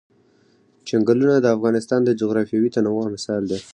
چنګلونه د افغانستان د جغرافیوي تنوع مثال دی.